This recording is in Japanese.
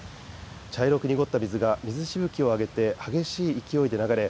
茶色くにごった水が水しぶきを上げて激しい勢いで流れ